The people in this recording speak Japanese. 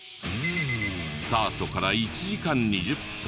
スタートから１時間２０分。